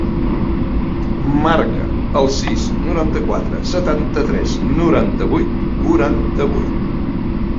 Marca el sis, noranta-quatre, setanta-tres, noranta-vuit, quaranta-vuit.